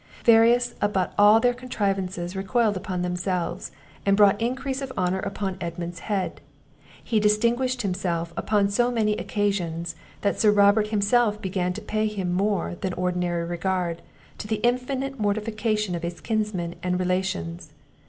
Various a but all their contrivances recoiled upon themselves, and brought increase of honour upon Edmund's head; he distinguished himself upon so many occasions, that Sir Robert himself began to pay him more than ordinary regard, to the infinite mortification of his kinsmen and relations.